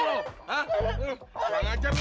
jangan ngajar lu